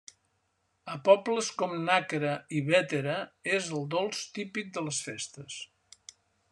A pobles com Nàquera i Bétera és el dolç típic de les festes.